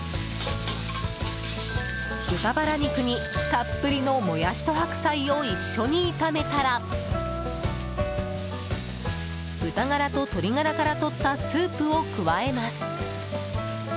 豚バラ肉にたっぷりのモヤシと白菜を一緒に炒めたら豚ガラと鶏ガラからとったスープを加えます。